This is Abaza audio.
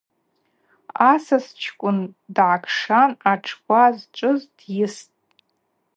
Асас чкӏвын дгӏакшан атшква зчӏвыз дйыстӏ.